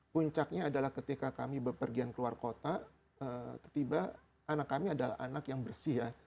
puncaknya adalah ketika kami berpergian keluar kota tiba anak kami adalah anak yang bersih ya